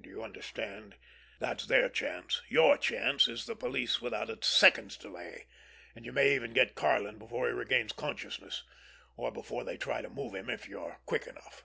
Do you understand? That's their chance. Your chance is the police without a second's delay—you may even get Karlin before he regains consciousness, or before they try to move him, if you're quick enough.